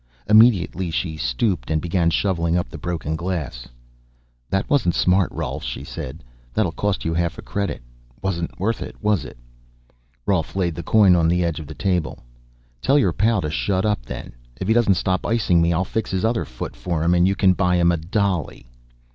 Immediately she stooped and began shoveling up the broken glass. "That wasn't smart, Rolf," she said. "That'll cost you half a credit. Wasn't worth it, was it?" Rolf laid the coin on the edge of the table. "Tell your pal to shut up, then. If he doesn't stop icing me I'll fix his other foot for him and you can buy him a dolly."